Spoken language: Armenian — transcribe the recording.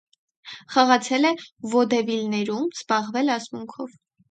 Խաղացել է վոդևիլներում, զբաղվել ասմունքով։